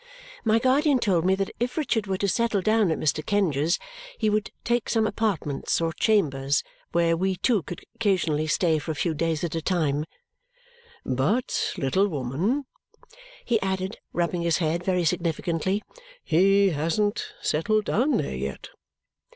My guardian told me that if Richard were to settle down at Mr. Kenge's he would take some apartments or chambers where we too could occasionally stay for a few days at a time; "but, little woman," he added, rubbing his head very significantly, "he hasn't settled down there yet!"